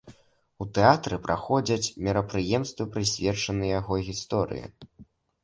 У тэатры праходзяць мерапрыемствы, прысвечаныя яго гісторыі.